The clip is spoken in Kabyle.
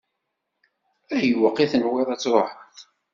Ayweq i tenwiḍ ad tṛuḥeḍ?